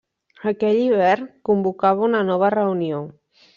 Aquell hivern convocava una nova reunió.